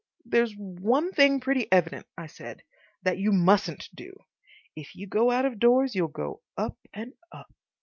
"There's one thing pretty evident," I said, "that you mustn't do. If you go out of doors, you'll go up and up."